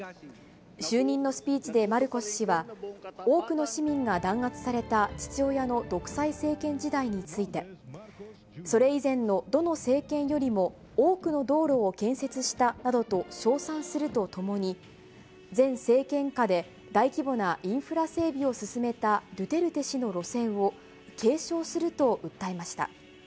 就任のスピーチでマルコス氏は、多くの市民が弾圧された父親の独裁政権時代について、それ以前のどの政権よりも、多くの道路を建設したなどと称賛するとともに、前政権下で、大規模なインフラ整備を進めたドゥテルテ氏の路線を継承すると訴えました。